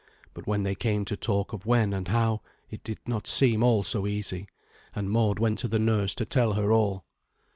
But when they came to talk of when and how, it did not seem all so easy; and Mord went to the nurse to tell her all.